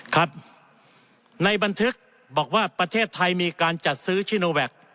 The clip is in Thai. ครับในบันทึกบอกว่าประเทศไทยมีการจัดซื้อชิโนแวค